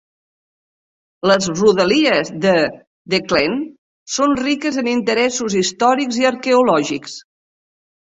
Les rodalies de The Glen son riques en interessos històrics i arqueològics.